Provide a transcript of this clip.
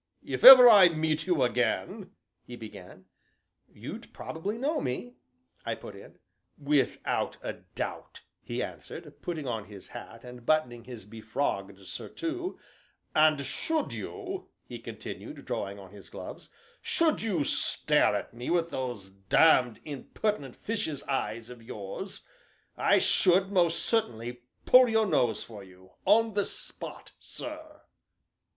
"If ever I meet you again " he began. "You'd probably know me," I put in. "Without a doubt," he answered, putting on his hat and buttoning his befrogged surtout; "and should you," he continued, drawing on his gloves, "should you stare at me with those damned, impertinent fishes' eyes of yours, I should, most certainly, pull your nose for you on the spot, sir."